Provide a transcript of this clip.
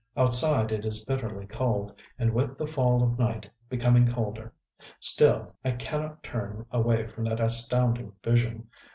Outside it is bitterly cold, and, with the fall of night, becoming colder. Still I cannot turn away from that astounding vision....